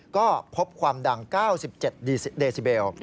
ก็พบความดัง๙๗เดซิเบล